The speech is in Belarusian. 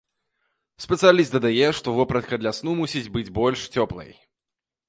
Спецыяліст дадае, што вопратка для сну мусіць быць больш цёплай.